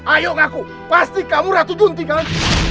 ayo ngaku pasti kamu ratu dunting